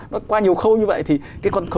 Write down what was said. nó qua nhiều khâu như vậy thì cái con khấu